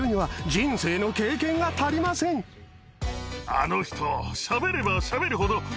あの人。